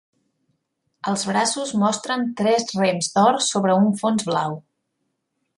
Els braços mostren tres rems d'or sobre un fons blau.